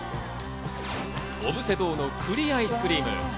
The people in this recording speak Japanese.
小布施堂の栗アイスクリーム。